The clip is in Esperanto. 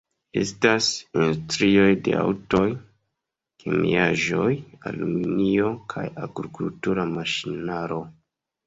Estas industrioj de aŭtoj, kemiaĵoj, aluminio kaj agrikultura maŝinaro.